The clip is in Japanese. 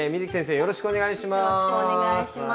よろしくお願いします。